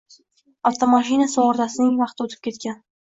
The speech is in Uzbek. Avtomashina sug‘urtasining vaqti o‘tib ketgan